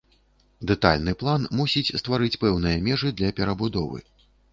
Дэтальны план мусіць стварыць пэўныя межы для перабудовы.